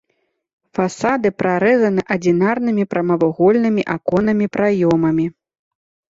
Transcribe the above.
Фасады прарэзаны адзінарнымі прамавугольнымі аконнымі праёмамі.